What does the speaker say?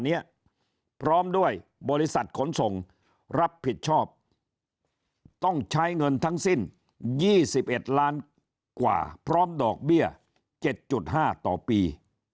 นี้พร้อมด้วยบริษัทขนส่งรับผิดชอบต้องใช้เงินทั้งสิ้น๒๑ล้านกว่าพร้อมดอกเบี้ย๗๕ต่อปี